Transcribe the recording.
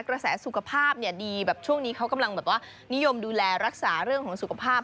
กระแสสุขภาพดีแบบช่วงนี้เขากำลังนิยมดูแลรักษาสุขภาพ